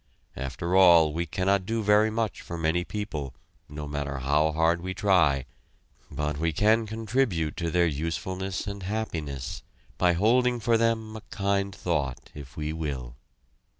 After all we cannot do very much for many people, no matter how hard we try, but we can contribute to their usefulness and happiness by holding for them a kind thought if we will.